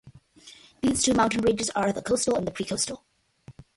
These two mountain ranges are the Coastal and the Pre-Coastal.